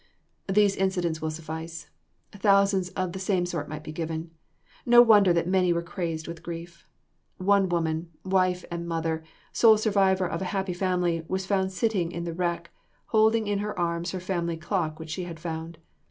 These incidents will suffice. Thousands of the same sort might be given. No wonder that many were crazed with grief. One woman, wife and mother, sole survivor of a happy family, was found sitting in the wreck, holding in her arms her family clock which she had found.